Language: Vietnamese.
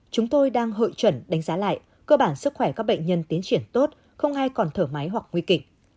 chúng tôi đang hội chuẩn đánh giá lại cơ bản sức khỏe các bệnh nhân tiến triển tốt không ai còn thở máy hoặc nguy kịch